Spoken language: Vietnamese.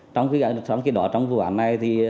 trong khi đó trong vụ án này